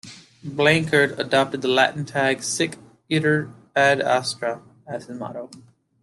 Blanchard adopted the Latin tag "Sic itur ad astra" as his motto.